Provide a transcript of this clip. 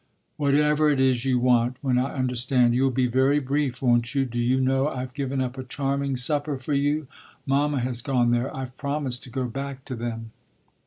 "Whatever it is you want when I understand you'll be very brief, won't you? Do you know I've given up a charming supper for you? Mamma has gone there. I've promised to go back to them."